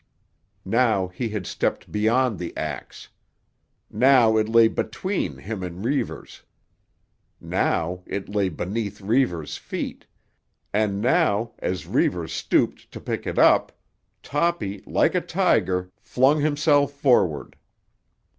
Now he had stepped beyond the axe. Now it lay between him and Reivers. Now it lay beneath Reivers' feet, and now, as Reivers stooped to pick it up, Toppy, like a tiger, flung himself forward.